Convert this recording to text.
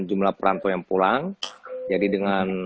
jumlah perantau yang pulang jadi dengan